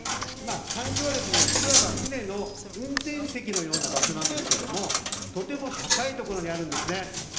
艦橋はいわば船の運転席のような場所なんですけどとても高いところにあるんですね。